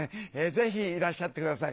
ぜひいらっしゃってください。